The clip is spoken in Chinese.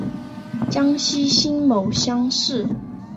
江西辛卯乡试。